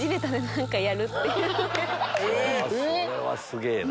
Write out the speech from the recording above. それはすげぇな。